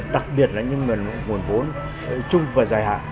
đặc biệt là những nguồn vốn chung và dài hạn